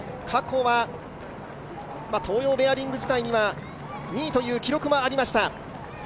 過去は東洋ベアリング時代には２位という記録もありました。